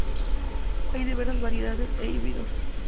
Hay diversas variedades e híbridos.